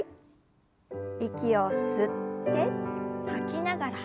息を吸って吐きながら横へ。